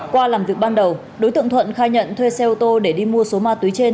qua làm việc ban đầu đối tượng thuận khai nhận thuê xe ô tô để đi mua số ma túy trên